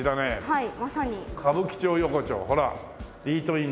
はい。